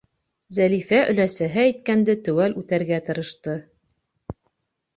Зәлифә өләсәһе әйткәнде теүәл үтәргә тырышты.